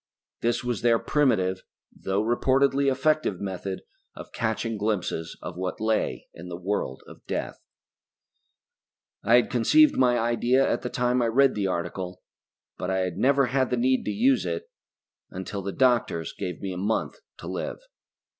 This was their primitive, though reportedly effective method of catching glimpses of what lay in the world of death. I had conceived my idea at the time I read the article, but I had never had the need to use it until the doctors gave me a month to live.